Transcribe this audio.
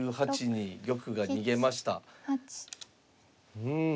うん。